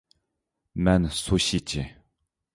مەن سۇشىچى.